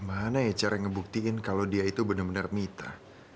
jangan redundant di semuaper joystick